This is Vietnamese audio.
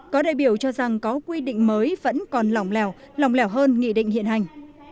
có đại biểu cho rằng có quy định mới vẫn còn lỏng lẻo lỏng lẻo hơn nghị định hiện hành